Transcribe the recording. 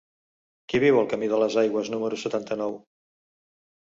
Qui viu al camí de les Aigües número setanta-nou?